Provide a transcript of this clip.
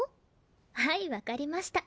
はいわかりました。